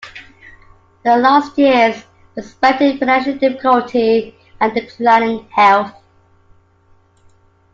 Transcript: Her last years were spent in financial difficulty and declining health.